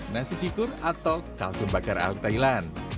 nasi cikur atau kalkum bakar ala thailand